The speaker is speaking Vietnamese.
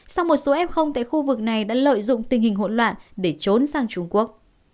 sau một số f tại khu vực này đã lợi dụng tình hình hỗn loạn để trốn sang trung quốc